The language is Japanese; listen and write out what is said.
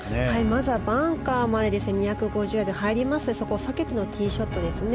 まずはバンカーまで２５０で入りますので、そこを避けてのティーショットですね。